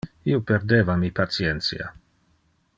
Io perdeva mi patientia.